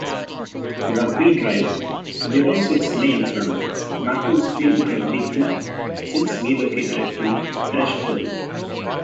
Rugby Drive derives its name from Macclesfield Rugby Club, since relocated to Prestbury.